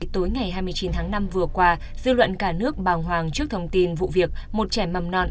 tối ngày hai mươi chín tháng năm vừa qua dư luận cả nước bàng hoàng trước thông tin vụ việc một trẻ mầm non